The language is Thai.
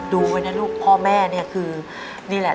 ดูไว้นะลูกพ่อแม่เนี่ยคือ